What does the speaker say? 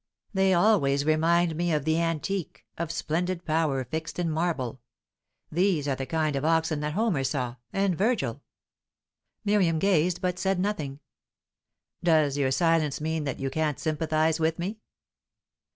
They always remind me of the antique of splendid power fixed in marble, These are the kind of oxen that Homer saw, and Virgil." Miriam gazed, but said nothing. "Does your silence mean that you can't sympathize with me?"